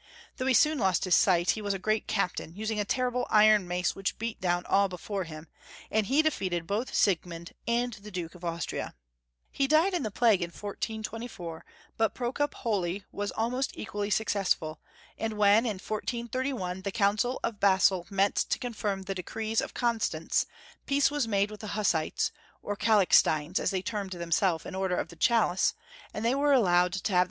Though he soon lost his sight, he was a great captain, using a terrible iron mace which beat down all before liim, and he defeated both Siegmund and the Duke of Austria. He died in the Plague in 1424, but Procop Holy was almost equally successful, and when, in 1431, the council of Basle met to confirm the decrees of Constance, peace was made with the Hussites, or Calixtines, as they termed themselves in honor of the chalice, and they were allowed to have the 242 Young Folks'^ History of Crermany.